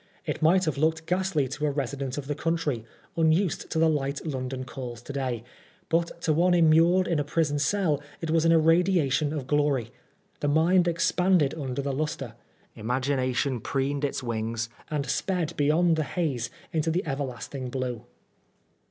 It might have looked ghastly to a resident in the country, unused to the light London calls day, but to one immured in a prison cell it was an irradiation of glory. The mind expanded NEWGATE. 95 under the lustre ; imagination preened its wings, and sped beyond the haze into the everlasting blue.